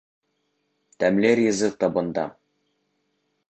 Тәмле ризыҡ табында!